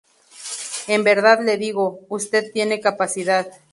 En verdad le digo, usted tiene capacidad.